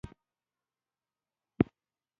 چې دعقل وسواس وسو ځم ماښام کې